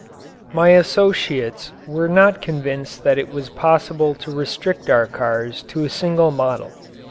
My associates were not convinced that it was possible to restrict our cars to a single model.